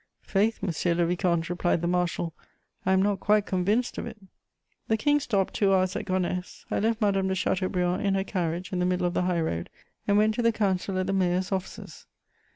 "Faith, monsieur le vicomte," replied the marshal, "I am not quite convinced of it." The King stopped two hours at Gonesse. I left Madame de Chateaubriand in her carriage in the middle of the highroad, and went to the council at the mayor's offices.